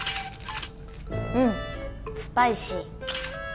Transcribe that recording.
うんスパイシー。